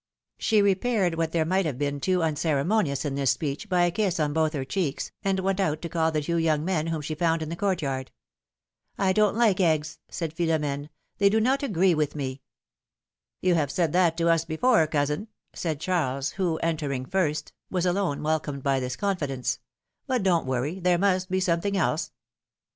" She repaired what there might have been too uncere monious in this speech by a kiss on both her cheeks, and went out to call the two young men, w^hom she found in the court yard. don't like eggs," said Philom^ne; '^they do not agree with me." You have said that to us before, cousin," said Charles, who, entering the first, was alone ^welcomed by this confi dence ; but don't worry ! There must be something else."